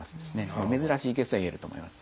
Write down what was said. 珍しいケースといえると思います。